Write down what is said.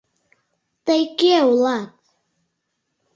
Тый кӧ улат?..